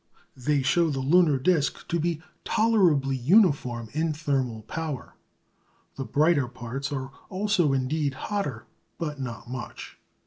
They show the lunar disc to be tolerably uniform in thermal power. The brighter parts are also indeed hotter, but not much.